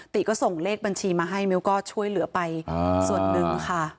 ติก็ส่งเลขบัญชีมาให้มิ้วก็ช่วยเหลือไปส่วนหนึ่งค่ะ